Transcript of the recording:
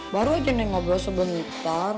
baru aja neng abah sebelum lutar